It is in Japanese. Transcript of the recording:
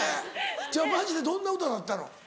マジでどんな歌だったの？